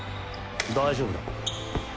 大丈夫だ。